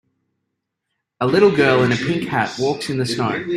A little girl in a pink hat walks in the snow.